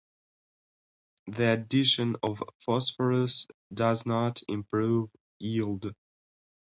The addition of phosphorus does not improve yield.